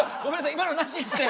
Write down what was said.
今のナシにして！